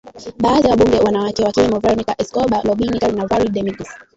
Baadhi ya wabunge wanawake wakiwemo Veronica Escobar Robin Kelly na Val Demings